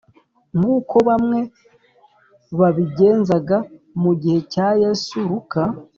Nk uko bamwe babigenzaga mu gihe cya yesu luka